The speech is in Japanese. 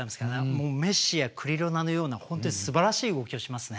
もうメッシやクリロナのような本当にすばらしい動きをしますね。